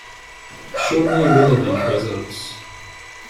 Show me relevant results.